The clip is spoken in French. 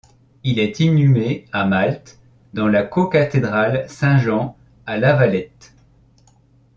Il est inhumé à Malte dans la co-cathédrale Saint-Jean à La Valette.